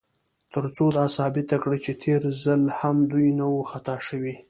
تر څو دا ثابته کړي، چې تېر ځل هم دوی نه و خطا شوي.